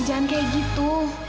jangan kayak gitu